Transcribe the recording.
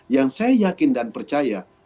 yang saya yakin dan percaya